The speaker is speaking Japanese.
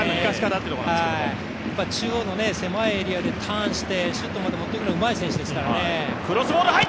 中央の狭いエリアでターンしてシュートまでもってくるのがうまい選手ですからね。